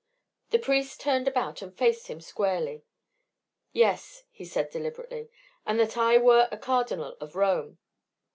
The priest turned about and faced him squarely. "Yes," he said deliberately, "and that I were a cardinal of Rome.